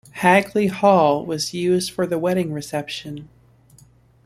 Hagley Hall was used for the wedding reception.